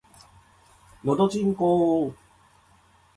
のどちんこぉ